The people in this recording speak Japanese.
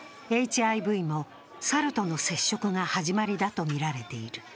ＨＩＶもサルとの接触が始まりだとみられている。